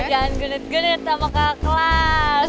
jangan gunet gunet sama kelas